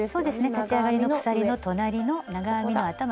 立ち上がりの鎖の隣の長編みの頭２本。